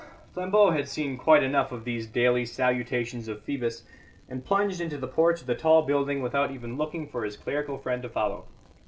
Flambeau had seen quite enough of these daily salutations of Phoebus, and plunged into the porch of the tall building without even looking for his clerical friend to follow.